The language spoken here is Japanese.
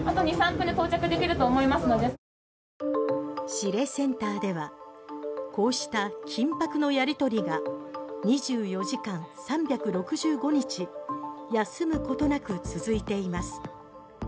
指令センターではこうした緊迫のやり取りが２４時間３６５日休むことなく続いています。